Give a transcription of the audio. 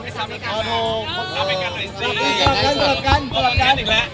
ก็ไม่ร้องเจอก็อยากเล่น